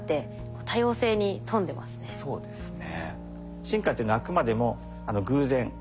そうですね。